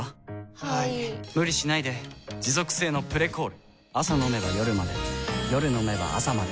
はい・・・無理しないで持続性の「プレコール」朝飲めば夜まで夜飲めば朝まで